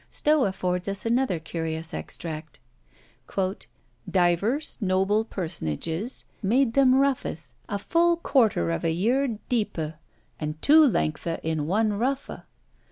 Stowe affords us another curious extract. "Divers noble personages made them ruffes, a full quarter of a yeard deepe, and two lengthe in one ruffe.